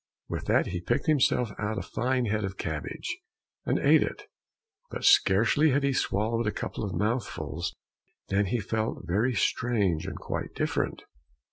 With that he picked himself out a fine head of cabbage, and ate it, but scarcely had he swallowed a couple of mouthfuls than he felt very strange and quite different.